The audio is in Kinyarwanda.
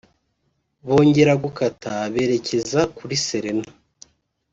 bongera gukata berekeza kuri Serena